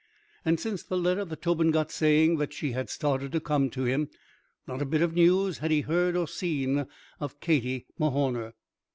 And since the letter that Tobin got saying that she had started to come to him not a bit of news had he heard or seen of Katie Mahorner.